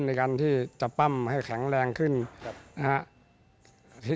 ในการที่จะปั้มให้แข็งแรงขึ้นนะครับ